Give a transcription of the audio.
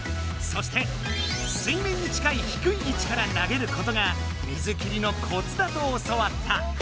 そして水面に近い低い位置から投げることが水切りのコツだと教わった。